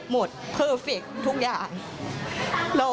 และก็มีการกินยาละลายริ่มเลือดแล้วก็ยาละลายขายมันมาเลยตลอดครับ